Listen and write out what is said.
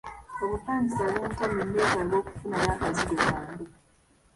Obupangisa buntamye neetaaga okufunayo akazigo kange.